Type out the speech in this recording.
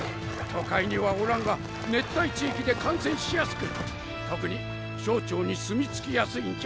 都会にはおらんが熱帯地域で感染しやすく特に小腸に住み着きやすいんじゃ。